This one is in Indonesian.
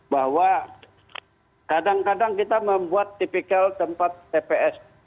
bahwa kadang kadang kita membuat tipikal tempat tps